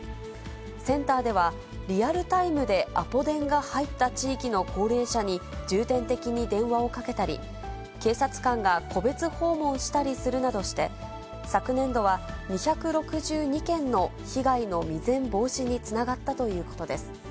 センターでは、リアルタイムでアポ電が入った地域の高齢者に重点的に電話をかけたり、警察官が戸別訪問したりするなどして、昨年度は２６２件の被害の未然防止につながったということです。